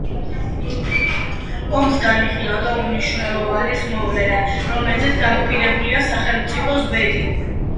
ომს განიხილავდა უმნიშვნელოვანეს მოვლენად, რომელზეც დამოკიდებულია სახელმწიფოს ბედი.